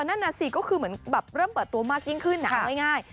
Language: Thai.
นั่นน่ะสิก็คือเหมือนแบบเริ่มเปิดตัวมากยิ่งขึ้นเอาง่าย